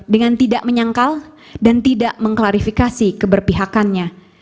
dengan tidak menyangkal dan tidak mengklarifikasi keberpihakannya